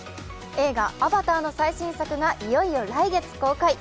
映画「アバター」の最新作がいよいよ来月公開。